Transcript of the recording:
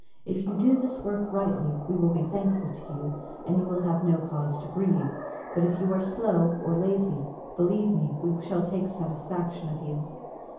If you do this work rightly, we will be thankful to you, and you will have no cause to grieve; but if you are slow or lazy, believe me we shall take satisfaction of you."